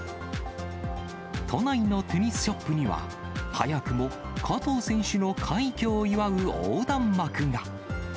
都内のテニスショップには、早くも加藤選手の快挙を祝う横断幕が。